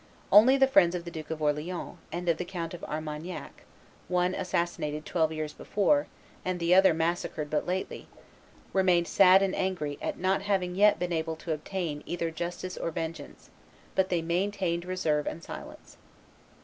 Only the friends of the Duke of Orleans, and of the Count of Armagnac, one assassinated twelve years before, and the other massacred but lately, remained sad and angry at not having yet been able to obtain either justice or vengeance; but they maintained reserve and silence.